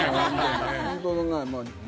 本当だね。